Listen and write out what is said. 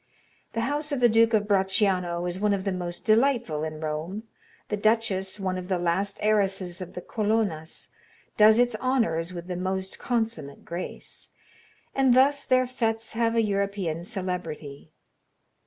The house of the Duke of Bracciano is one of the most delightful in Rome, the duchess, one of the last heiresses of the Colonnas, does its honors with the most consummate grace, and thus their fêtes have a European celebrity.